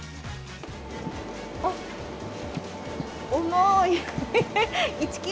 あっ、重い。